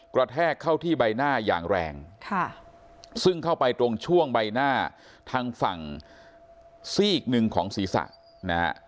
แทกเข้าที่ใบหน้าอย่างแรงค่ะซึ่งเข้าไปตรงช่วงใบหน้าทางฝั่งซีกหนึ่งของศีรษะนะฮะ